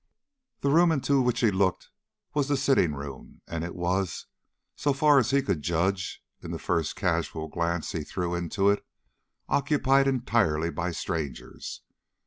The room into which he looked was the sitting room, and it was, so far as he could judge in the first casual glance he threw into it, occupied entirely by strangers.